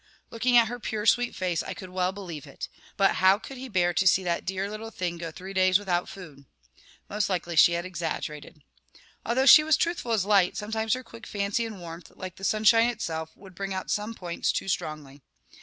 Looking at her pure sweet face, I could well believe it; but how could he bear to see that dear little thing go three days without food? Most likely she had exaggerated. Although she was truthful as light, sometimes her quick fancy and warmth, like the sunshine itself, would bring out some points too strongly.